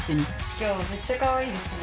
今日めっちゃかわいいですね。